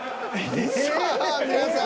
さあ皆さん